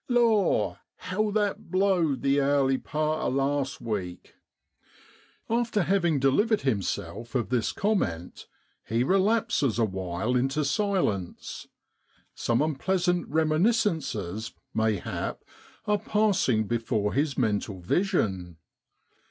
Law! how that blowed the airly part of last week !' After having delivered himself of this comment he relapses awhile into silence; some unpleasant reminiscences, mayhap, are passing before his mental vision.